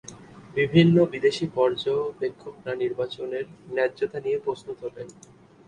বিভিন্ন বিদেশী পর্যবেক্ষকরা নির্বাচনের ন্যায্যতা নিয়ে প্রশ্ন তোলেন।